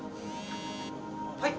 はい。